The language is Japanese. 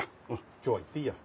今日は行っていいや。